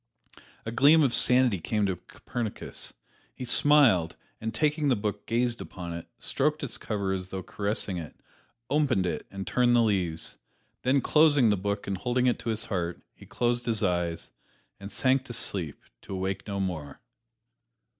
A gleam of sanity came to Copernicus. He smiled, and taking the book gazed upon it, stroked its cover as though caressing it, opened it and turned the leaves. Then closing the book and holding it to his heart, he closed his eyes, and sank to sleep, to awake no more.